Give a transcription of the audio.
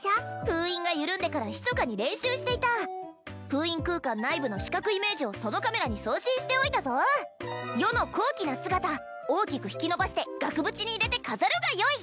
封印が緩んでからひそかに練習していた封印空間内部の視覚イメージをそのカメラに送信しておいたぞ余の高貴な姿大きく引き伸ばして額縁に入れて飾るがよい！